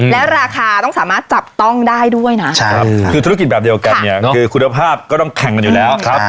แล้วราคาต้องสามารถจับต้องได้ด้วยนะคือธุรกิจแบบเดียวกันเนี่ยคือคุณภาพก็ต้องแข่งกันอยู่แล้วครับ